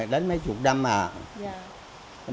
đến mấy chục năm à